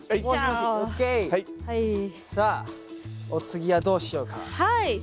さあお次はどうしようか。